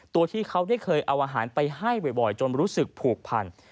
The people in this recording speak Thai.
ตัวที่เขาได้เคยเอาอาหารไปให้บ่อยจนรู้สึกผูกพัน